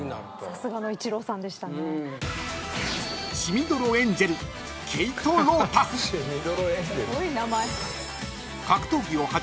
さすがのイチローさんでしたね。